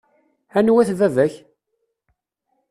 Anwa-t baba-k?